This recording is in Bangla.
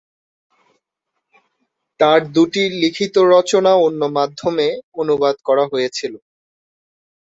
তার দু'টি লিখিত রচনা অন্য মাধ্যমে অনুবাদ করা হয়েছিল।